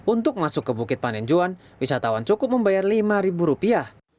untuk masuk ke bukit panenjuan wisatawan cukup membayar lima rupiah